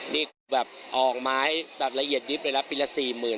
นี่แบบออกมาให้แบบละเอียดดิบเลยละปีละสี่หมื่น